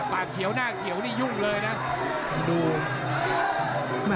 ปากเขียวหน้าเขียวนี่ยุ่งเลยนะ